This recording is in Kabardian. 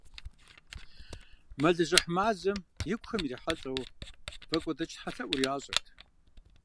Мэлыжьыхь мазэм икухэм ирихьэлӀэу, вакӀуэдэкӀ тхьэлъэӀур ящӀырт.